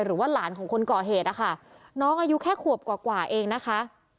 หรือว่าหลานของคนก่อเหตุนะคะน้องอายุแค่ขวบกว่าเองนะคะ